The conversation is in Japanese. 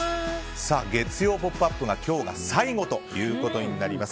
月曜「ポップＵＰ！」は今日が最後ということになります。